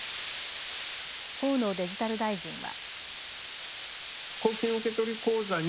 河野デジタル大臣は。